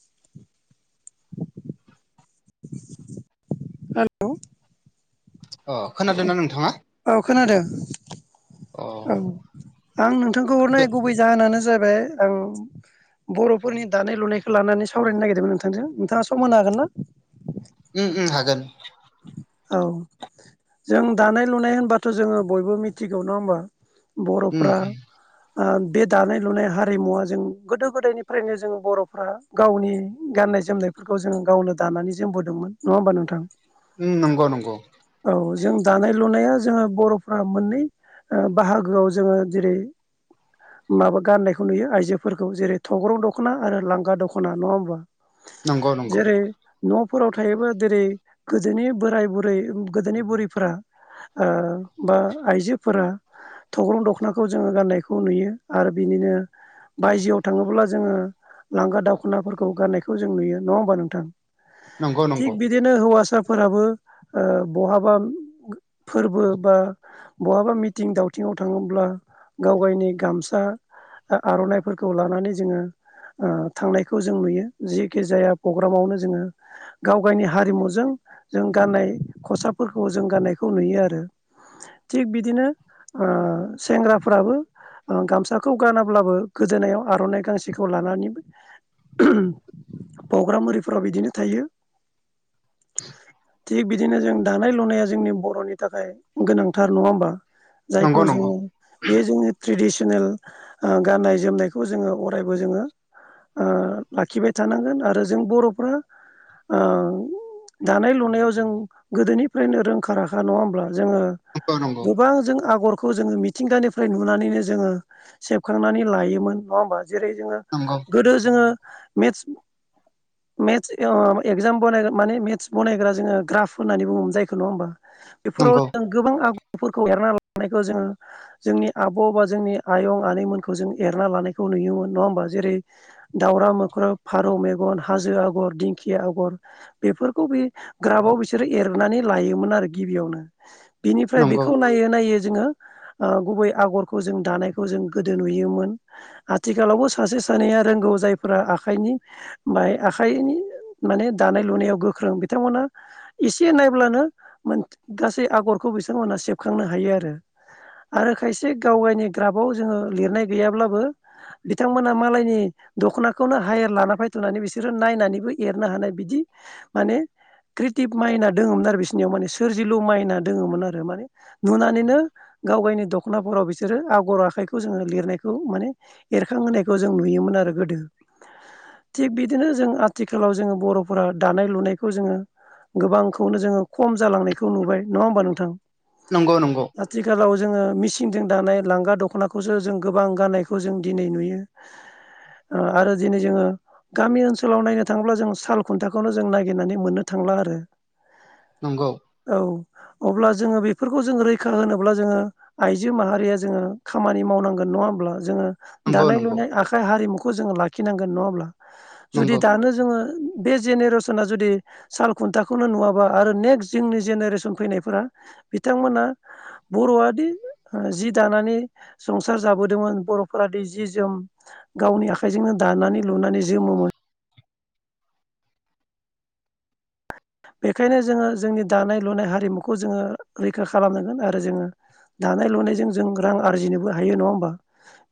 [inaudible] हेल अ खोनादोंना नोंथाङा? औ खोनादों औ उम आं नोंथां आंखौ हरनाय गुबै जाहोनानो जाबाय आं बर'फोरनि दानाय लुनायखौ लानानै सावरायनो नागिरदोंमोन नोंथांजों नोंथांङा समान हागोन ना? उम हागोन औ जों दानाय लुनाय होनबाथ' जोंङो बयबो मिथिगौ नंङा होमबा? उम बर'फ्रा ओ बे दानाय लुनाय हारिमुवा जों गोदो गोदायनिफ्रायनो जों बर'फ्रा गावनि गान नाय जोमनायफोरखौ जों गावनो दानानै जोमबोदोंमोन नंङा होमबा नोंथां? उम नंगौ नंगौ औ जों दानाय लुनाया जोंङो बर'फ्रा मोननै ओ बाहागोआव जोंङो जेरै माबा गाननायखौ नुयो आइजोफोरखौ जेरै अग्रं दख'ना आरो लांगा दख'ना नंङा होमबा? नंगौ नंगौ जेरै न' फोराव थायोबा जेरै गोजोनि बोराय बुरै गोदोनि बुरैफोरा ओ बा आइजोफोरा थख्रं दख'नाखौ जोंङो गाननायखौ नुयो आरो बिनिनो बायजोआव थांङोब्ला जोंङो लांगा दावखनाफोरखौ गारनायखौ जों नुयो नंङा होमबा नोंथां? नंगौ थिग नंगौ बिदिनो हौवासा फोराबो ओ बहाबा फोरबो बा बहाबा मि थिं दावथिंआव थाङोब्ला गाव गावनि गामसा आ-आर'नाइफोरखौ लानानै जोंङो ओ थांनायखौ जों नुयो जिखि जाया प्रग्रामावनो जोंङो गाव गावयनि हारिमुजों जों गाननाय खसाफोरखौ जों गाननायखौ नुयो आरो थिग बिदिनो ओ सेंग्राफ्राबो ओ गामसाखौ गानाब्लाबो गोदोनायाव आर'नाइ गांसेखौ लानानै पग्राम आरिफोराव बिदिनो थायो थिग बिदिनो जों दानाय लुनाया जोंनि बर'नि थाखाय गोनांथार नङा होमबा जायखौ जोङो बे जोंनि ट्रेडिस चेनेल ओ गाननाय जोमनायखौ जोङो अरायबो जोङो ओ लाखिबाय थानांगोन आरो जों बर'फ्रा ओ दानाय लुनायाव जों गोदोनिफ्रायनो रोंखा राखा नङा होमब्ला जोङो नंगौ नंगौ गोबां जों आगरखौ जोङो मिथिंगानिफ्राय नुनानैनो जोङो सेबखांनानै लायोमोन नङा होमबा जेरै जोङो नंगौ गोदो जोङो मेथ्स मेथ्स ओ एक्जाम बग माने मेथ्स बानायग्रा जोङो ग्राफ होननानै बुङोमोन जायखौ नङा होमबा बेफोराव नंगौ जों गोबां आगुफोरखौ एरना ला नायखौ जोङो जोंनि आब' बा जोंनि आयं आनैमोनखौ जों एरना लानायखौ नुयोमोन नङा होमबा जेरै दाउरा मोख्राब फारौ मेगन हाजो आगर दिंखिया आगर बेफोरखौ बे ग्राफाव बिसोरो एरनानै लायोमोन आरो गिबियावनो बिनिफ्राय नंगौ बेखौ नायै नायै जोङो ओ गुबै आगरखौ जों दानायखौ जों गोदो नुयोमोन आथिखालावबो सासे सानैया रोंगौ जायफोरा आखाइनि बाय आखाइनि माने दानाय लुनायाव गोख्रों बिथांमोना एसे नायब्लानो मोन गासै आगरखौ बिथांमोनहा सेबखांनो हायो आरो आरो खायसे गाव गावनि ग्राफआव जोङो लिरनाय गैयाब्लाबो बिथांमोना मालायनि दख'नाखौनो हायेर लाना फैथ'नानै बिसोरो नायनानैबो एरनो हानाय बिदि माने क्रिटिभ माइना दोङोमोन आरो बिसिनियाव माने सोरजिलु माइना दोङोमोन आरो माने नुनानैनो गाव गायनि दखनाफोराव बिसोरो आगर आखाइखौ जोङो लिरनायखौ माने एरखां होनायखौ जों नुयो योमोन आरो गोदो थिग बिदिनो जों आथिखालाव जोङो बर'फोरा दानाय लुनायखौ जोङो गोबांखौनो जोङो खम जालांनायखौ नुबाय नङा होमबा नोंथां नंगौ नंगौ आथिखालाव जोङो मेचिनजों दानाय लांगा दख'नाखौसो जों गोबां गाननायखौ जों दिनै नुयो [unintelligible] ओ आरो दिनै जोङो गामि ओनसोलाव नायनो थाङोब्ला जों साल खुन्थाखौनो जों नागिरनानै मोननो था ब्ला आरो नंगौ औ अब्ला जोङो बेफोरखौ जेरै खा होनोब्ला जोङो आइजो माहारिया जोङो खामानि मावनांगोन नङा होमब्ला जोङो नंगौ नंगौ दानाय लुनाय आखाइ हारिमुखौ जोङो लाखिनांगोन नङाब्ला जुदि नंगौ दानो जोङो बे जेनेरेसना जुदि साल खुन्थाखौनो नुवाबा आरो नेक्स्ट जोंनि जेनेरेसन फैनायफोरा बिथांमोना बर'आदि जि दानानै संसार जाबोदोंमोन बर'फोरादि जि जोम गावनि आखाइजोंनो दानानै लुनानै जोमोमोन बेखायनो जोङो जोंनि दानाय लुनाय हारिमुखौ जोङो रैखा खालामनांगोन आरो जोङो दानाय लुनायजों जों रां आरजिनोबो हायो नङा होमबा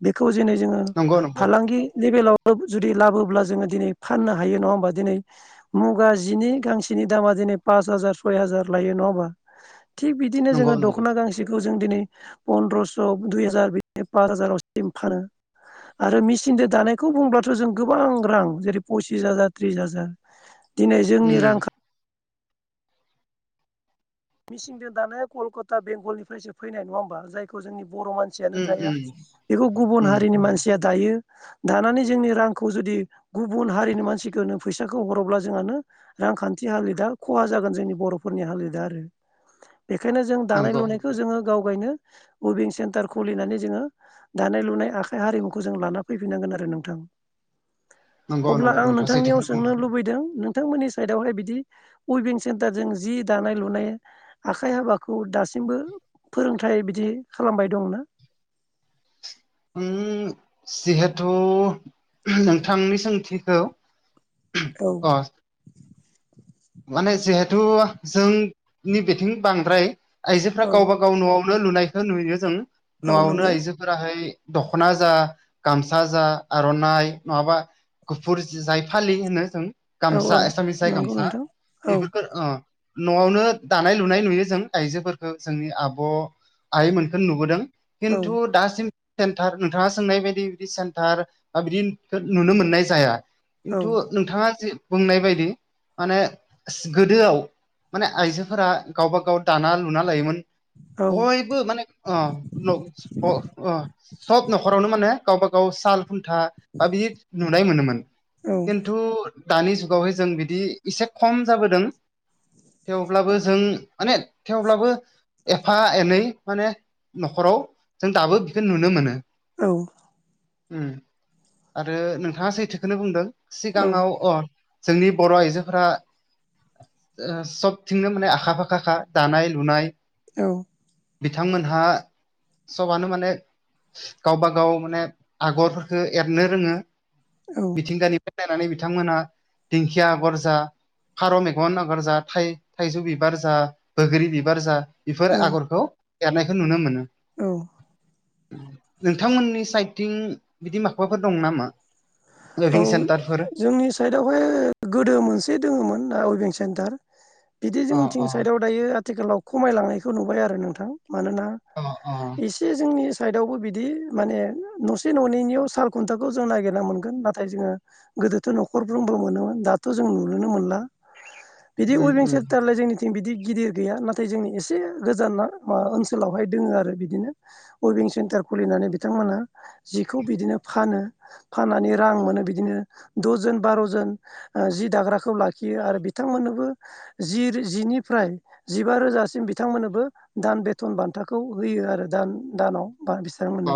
बेखौ जो नै जोङो नंगौ फालांगि लेभेलाव जुदि लाबोब्ला जोङो दिनै फाननो हायो नङा होमबा दिनै मुगा जिनि गांसे -सेनि दामा दिनै पास हाजार सय हाजार लायो नङा होनबा थिक बिदिनो नंगौ जोङो नंगौ दख'ना गांसेखौ जों दिनै फन्द्रस' दुइ हाजार बिदिनो फास हाजारावसिम फानो आरो मेचिनजों दानायखौ बुंब्लाथ' जों गोबां रां जेरै पसिस हाजार त्रिस हाजार दिनै जोंनि उम रांखा मेसिनजों दानाया कलकाता बेंगलनिफ्रायसो फैनाय नङा होमबा जायखौ जोंनि बर' मानसियानो उम थाया उम बेखौ गुबुन उम हारिनि मानसि जायहा दायो दानानै जोंनि रांखौ जुदि गुबुन हारिनि मानसिफोरनो फैसाखौ हरोब्ला जोंहा नो रांखान्थि हालोदा खहा जागोन जोंनि बर'फोरनि हालोदा आरो। बेखायनो जों दानाय नंगौ लुनायखौ जोङो गाव गावनो उइभिं सेन्टार खुलिनानै जोङो दानाय लुनाय आखाइ हारिमुखौ जों लाना फैफिननांगोन आरो नोंथां नंगौ अब्ला नंगौ आं नोंथाङा नोंथांनियाव सैथोखौनो सोंनो बुंदों लुबैदों नों थांमोननि साइडआवहाय बिदि उइभिं सेन्टारजों जि दानाय लुनाय आखाइ हाबाखौ दासिमबो फोरोंथाइ बिदि खालामबाय दंना? [inaudible] जिहेथु नोंथांनि सोंथिखौ औ। अ माने जिहेथु जोंनि बिथिं बांद्राय आइजोफ्रा औ गावबा गाव न'आव नो लुनायखौ नुयो जों औ न'आवनो नंगौ। आइजोफोराहाय दख'ना जा गामसा जा आर'नाइ नङाबा गुफुर जाय फालि होनो जों औ गामसा औ एसामिस जाय नंगौ गामसा नोंथां औ बेफोरखौ अ न'आवनो दानाय लुनाय नुयो जों आइजोफोरखौ जोंनि आब' आइमोनखौनो नुबोदों औ खिन्थु दासिम सेन्टार नोंथाङा सोंनाय बायदि बिदि सेन्टार बा बिदि नुनो मोननाय जाया। औ खिन्थु नोंथाङा जि बुंनाय बायदि माने गोदोआव माने आइजोफोरा गावबा गाव दाना लुना लायोमोन। औ बयबो माने अ [unintelligible] सब न'खरावनो माने गावबा गाव साल खुन्था बा बिदि नुनाय मोनोमोन। औ खिन्थु दानि जुगावहाय जों बिदि एसे खम जाबोदों औ थेवब्लाबो जों माने थेवब्लाबो एफा एनै माने न'खराव जों दाबो बेखौ नुनो मोनो। औ। उम आरो नोंथाङा सैथोखौनो बुंदों सिगाङाव अ जोंनि बर' आइजोफोरा सबथिंनो माने आखा फाखाखा दानाय-लुनाय औ। बिथांमोनहा सबानो माने गावबाागाव माने आगरफोरखौ एरनो रोङो औ मिथिंगानिफ्राय नायनानै बिथांमोनहा दिंखिया आगर जा फारौ मेगन आगर जा थाइजौ बिबार जा बैग्रि बिबार जा बेफोर औ आगरखौ एरनायखौ नुनो मोनो। औ। नोंथांमोननि साइदथिं बिदि माबाफोर दं नामा? औ वेभिं सेन्टारफोर जोंनि साइटआवहाय गोदो मोनसे दङोमोन उइभिं सेन्टार बिदि अ अ जोंनिथिं साइदआव दायो आथिखालाव खमायलांनायखौ नुबाय आरो नोंथां। मानोना अ अ एसे जोंनि साइदआवबो बिदि माने न'से न'नैनियाव साल खुन्थाखौ जों नागिरना मोनगोन नाथाय जोङो गोदोथ' न'खरफ्रोमबो मोनोमोन दाथ' जों नुुनोनो मोनला। बिदि उम उइबिं उम सेनटारालाय जोंनि थिं बिदि गिदिर गैया नाथाय जोंनि एसे गोजान ओनसोलावहाय दङ आरो बिदिनो उइभिं सेन्टार खुलिनानै बिथांमोनहा जिखौ बिदिनो फानो फान्नानै रां मोनो बिदिनो दसज'न बार'जन जि दाग्राखौ लाखियो आरो बिथांमोननोबो रां जि जिनिफ्राय जिबा रोजासिम बिथांमोननोबो दान बेथन बान्थाखौ होयो आरो दान दानाव बा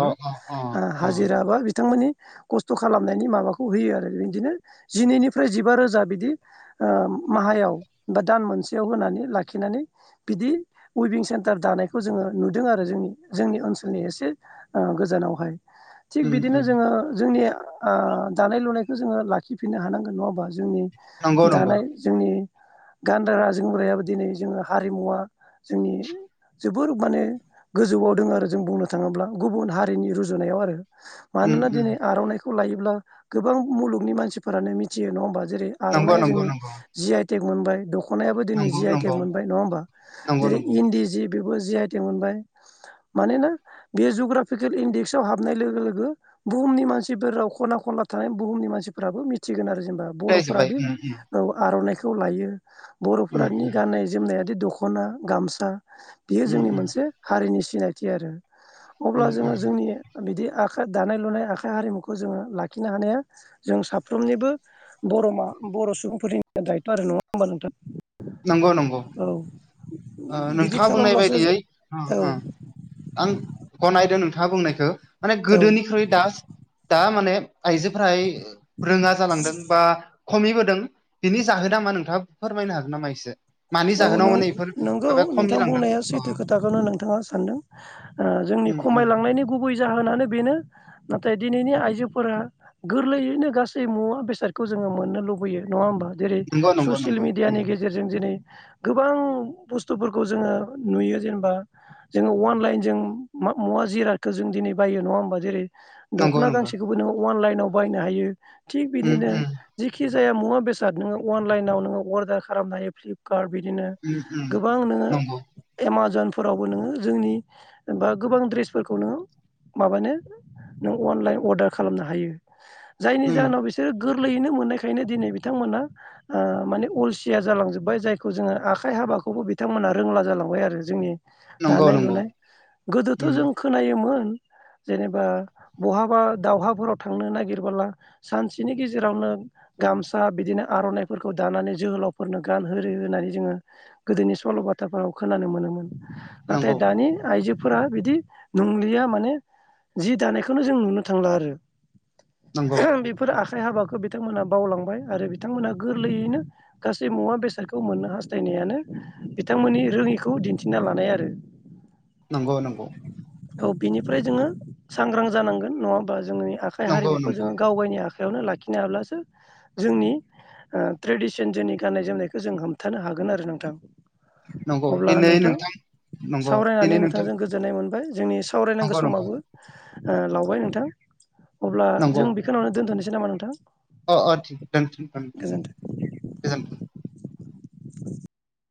अ अ अ अ हाजिरा बा बिथांमोननि खस्थ' खा खालामनायनि माबाखौ होयो आरो बिदिनो जिनैनिफ्राय जिबा रोजा बिदि माहायाव बा दान मोनसेयाव होनानै लाखिनानै बिदि उइबिं सेन्टार दानायखौ जोङो नुदों आरो। जोंनि ओनसोलनि एसे गोजानावहाय थिग उम बिदिनो उम जोङो जोंनि ओ दानाय लुनायखौ जोङो लाखिफिननो हानांगोन नङा हबा जोंनि नंगौ नंगौ दानाय जोंनि गानग्रा जोमग्रायाबो दिनै जोङो हारिमुवा जोंनि जोबोर माने गोजौआव दोङो आरो जों बुंनो थाङोब्ला गुबुन हारिनि रुजुनायाव आरो उम मानोना उम दिनै आर'नाइखौ लायोब्ला गोबां मुलुगनि मानसिफोरानो मिथियो नङा होमबा। जेरै नंगौ आर'नाइ नंगौ जोंनि नंगौ जि आइटेक मोनबाय दख नायाबो दिनै नंगौ जि आइटेक नंगौ मोनबाय नङा होमबा नंगौ जेरै नंगौ इन्दि जि बेबो जि आइटेक मोनबाय। मानोना बे जुग्राफिकेल इन्डेक्सआव हाबनाय लोगो-लोगो बुहुमनि मानसि फोराव खना खनला थानाय बुहुमनि मानसिफ्राबो मिथिगोन आरो जेनेबा रायजोबबाय बर'फोरादि उम औ आर'नाइ खौ लायो उम बर'फोरानि गाननाय जोमनायादि दख'ना, गामसा बियो उम जोंनि उम मोनसे हारिनि सिनायथि आरो अब्ला उम जोङो उम जोंनि बिदि आखाइ दानाय लुनाय आखाइ हारिमु खौ जोङो लाखिनो हानाया जों साफ्रोमनिबो बर'मा बर' सुबुंफोरनि दायथ' आरो नङा ओमबा नोंथां। नंगौ-नंगौ। औ ओ बिदि नोंथाङा बुंनाय खालामब्लासो बायदियै औ उम-उम आं गनायदों नों थाङा बुंनायखौ माने औ गोदोनिख्रुइ दा-दा माने आइजोफोरा रोङा जालांदों बा खमैबोदों बिनि जाहोना मा नोंथाङा फोरमायनो हागोन नामा इसे मानि जाहोनाव माने इफोर नोंगौ नोंथां बुंनाया सैथो खोथाखौनो नोंथाङा सानदों ओ जोंनि उम उम खमायलांनायनि गुबै जाहोनानो बेनो नाथाय दिनैनि आइजोफोरा गोरलैयैनो गासै मुवा बेसादखौ जों मोननो लुबैयो नङा ओमबा जेरै नंगौ नंगौ ससियेल नंगौ उम मिडियानि गेजेरजों दिनै गोबां बुस्थुफोरखौ जोङो नुयो जेनबा जोङो अनलाइन जों बा मुवा जिरादखो जों दिनै बायो नङा होनोमबा जेरै नंगौ दख'ना नंगौ गांसेखौबो नोङो अनलाइनाव बायनो हायो थिग उम बिदिनो उम जिखि जाया मुवा बेसाद नोङो अनलाइनाव नोङो अर्डार खालामनानै फ्लिब कार्ड बिदिनो उम उम गोबां नों नंगौ एमाजन फोरावबो नोङो जोंनि बा गोबां दड्रेसफोरखौ नोङो माबानो नों अनलाइन अर्डार खालामनो हायो जायनि उम जाहोनाव बिसोरो गोरलैयैनो मोननायखायनो दिनै बिथांमोना ओ माने अलसिया जालांजोब्बाय जाय जोङो आखाइ हाबाखौबो बिथांमोना रोंला जालांबाय आरो जोंनि नंगौ दानाय नंगौ लुनाय गोदोथ' उम जों खोनायोमोन जेनेबा बहाबा दावहाफोराव थांनो नागिरबोला सानसेनि गेजेरावनो गामसा बिदिनो आर'नाइफोरखौ दानानै जोहोलावफोरनो गानहो यो होनननै जोङो गोदोनि सल' बाथाफोराव खोनानो मोनो मोन नाथाय नंगौ दानि आइजो फोरा बिदि नंलिया माने जि दानायखौनो जों नुनो थांला आरो। नंगौ बेफोर आ खाइ हाबाखौ बिथांमोना बावलांबाय आरो बिथांमोना गोरलैयैनो गासै मुवा बेसाद खौ मोननो हास्थायनायानो बिथांमोननि रोङिखौ दिन्थिना लानाय आरो। नंगौ-नंगौ। औ बिनिफ्राय जोङो सांग्रां जानांगोन नङा होमबा जोंनि आखाइ नंगौ हारिमुखौ नंगौ जोङो गावगायनि आ खाइयावनो लाखिनो हाब्लासो जोंनि ओ ट्रेडिसन जोंनि गाननाय जोमनाय खौ जों हमथानो हागोन आरो नोंथां। नंगौ अब्ला दिनै नोंथां नंगौ सावरायनानै दिनै नोंथां नोंथांजों गोजोननाय मोनबाय। जोंनि सावरायनांगौ नंगौ नंगौ समाबो ओ लावबाय नोंथां अब्ला जों बिखिनावनो दोनथ'नोसै नामा नोंथां? औ-औ थिग [unintelligible] गोजोन्थों गोजोनथों